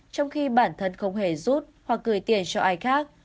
trong khi bản thân không hề rút hoặc gửi tiền cho ai khác